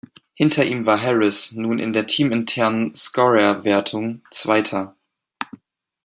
Hinter ihm war Harris nun in der teaminternen Scorerwertung zweiter.